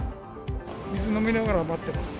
水飲みながら待ってます。